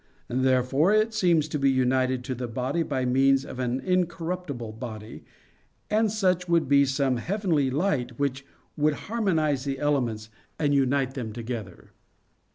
Therefore it seems to be united to the body by means of an incorruptible body, and such would be some heavenly light, which would harmonize the elements, and unite them together.